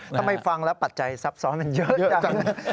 ทำไมฟังแล้วปัจจัยซับซ้อนมันเยอะจัง